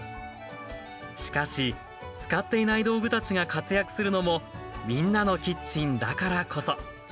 しかし使っていない道具たちが活躍するのも「みんなのキッチン」だからこそ。